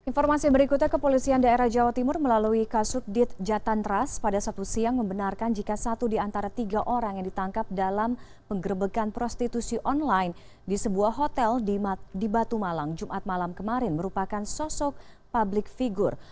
informasi berikutnya kepolisian daerah jawa timur melalui kasudit jatan ras pada satu siang membenarkan jika satu di antara tiga orang yang ditangkap dalam penggerbekan prostitusi online di sebuah hotel di batu malang jumat malam kemarin merupakan sosok publik figur